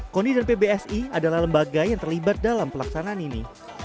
koni dan pbsi adalah lembaga yang terlibat dalam pelaksanaan ini